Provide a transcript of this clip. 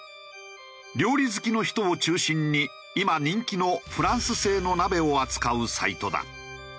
料理好きの人を中心に今人気のフランス製の鍋を扱うサイトだ。